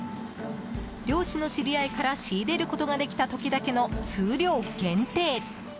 猟師の知り合いから仕入れることができた時だけの数量限定。